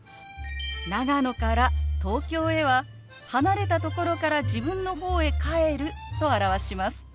長野から東京へは離れたところから自分の方へ「帰る」と表します。